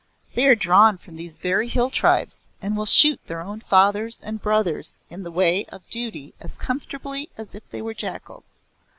They are drawn from these very Hill tribes, and will shoot their own fathers and brothers in the way of duty as comfortably as if they were jackals.